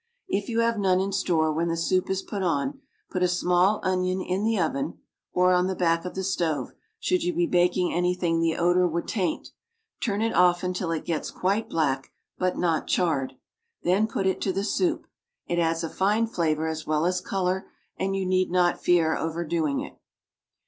If you have none in store when the soup is put on, put a small onion in the oven (or on the back of the stove; should you be baking anything the odor would taint); turn it often till it gets quite black, but not charred. Then put it to the soup; it adds a fine flavor as well as color, and you need not fear overdoing it.